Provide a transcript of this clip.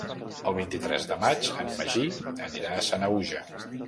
El vint-i-tres de maig en Magí anirà a Sanaüja.